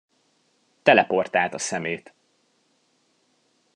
Teleportált a szemét!